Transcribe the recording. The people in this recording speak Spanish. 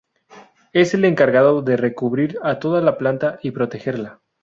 Es el encargado de recubrir a toda la planta y protegerla.